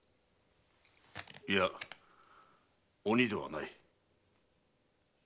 いや鬼ではない。